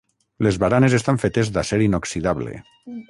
Les baranes estan fetes d'acer inoxidable.